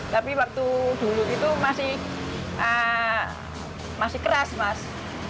tapi waktu dulu itu masih keras mas